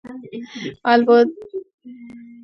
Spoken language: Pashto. ابداليان تر شپاړسمې پېړۍ پورې کوچيان وو.